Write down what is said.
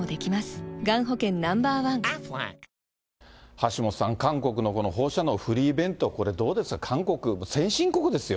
橋下さん、韓国のこの放射能フリー弁当、これ、どうですか、韓国、先進国ですよ。